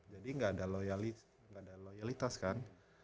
jadi gak ada loyalis gak ada loyalitas kan